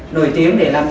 nổi tiếng để làm gì